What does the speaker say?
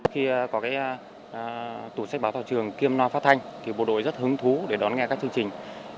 khi có cái tủ sách báo thảo trường kiêm loa phát thanh thì bộ đội rất hứng thú để đón nghe các chương trình